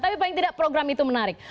tapi paling tidak program itu menarik